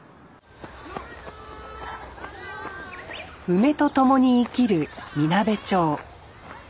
梅と共に生きるみなべ町